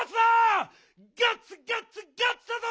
ガッツガッツガッツだぞ！